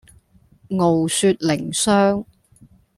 傲雪淩霜